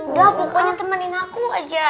udah pokoknya temenin aku aja